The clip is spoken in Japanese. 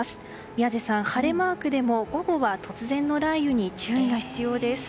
宮司さん、晴れマークでも午後は突然の雷雨に注意が必要です。